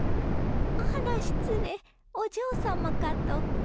あら失礼お嬢様かと。